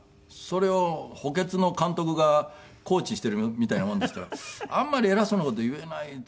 それを補欠の監督がコーチしているみたいなものですからあんまり偉そうな事言えないというか。